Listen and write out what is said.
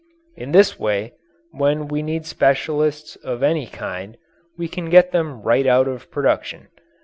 In this way, when we need specialists of any kind, we can get them right out of production.